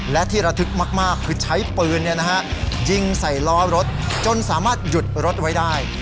และที่ระทึกมากคือใช้ปืนยิงใส่ล้อรถจนสามารถหยุดรถไว้ได้